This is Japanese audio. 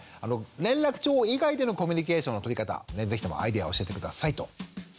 連絡帳以外でのコミュニケーションの取り方是非ともアイデアを教えて下さいと。